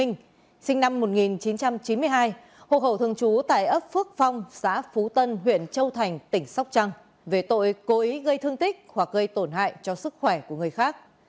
năm một nghìn chín trăm chín mươi hai hộ khẩu thường trú tại ấp phước phong xã phú tân huyện châu thành tỉnh sóc trăng về tội cố ý gây thương tích hoặc gây tổn hại cho sức khỏe của người khác